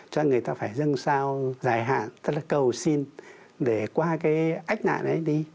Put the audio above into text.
cho người ta phải dân sao giải hạn tức là cầu xin để qua cái ách ngạn ấy đi